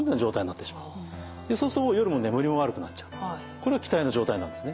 これが気滞の状態なんですね。